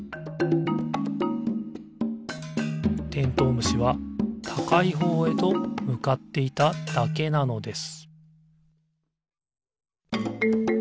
むしはたかいほうへとむかっていただけなのです